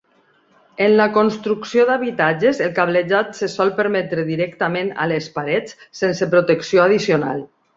En la construcció d'habitatges, el cablejat se sol permetre directament a les parets sense protecció addicional.